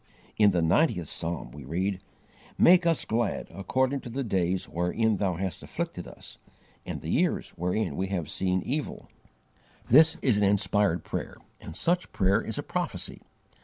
In the ninetieth psalm we read: "Make us glad according to the days wherein Thou hast afflicted us And the years wherein we have seen evil." (Psalm xc. 15.) This is an inspired prayer, and such prayer is a prophecy.